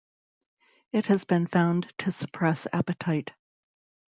It has been found to suppress appetite.